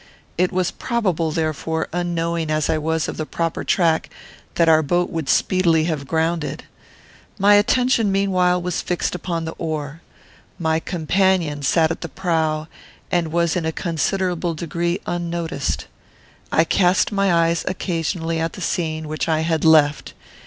It was probable, therefore, unknowing as I was of the proper track, that our boat would speedily have grounded. My attention, meanwhile, was fixed upon the oar. My companion sat at the prow, and was in a considerable degree unnoticed. I cast my eyes occasionally at the scene which I had left.